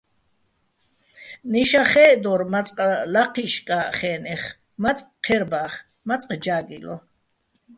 ნიშაჼ ხე́ჸდორ მაწყ ლაჴიშკა́ჸ ხე́ნეხ, მაწყ ჴერბა́ხ, მაწყ ჯა́გილო.